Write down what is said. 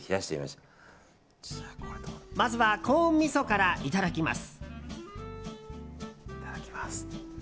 まずはコーン味噌からいただきます。